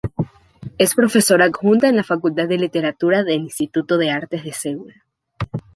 Es profesora adjunta en la Facultad de Literatura del Instituto de Artes de Seúl.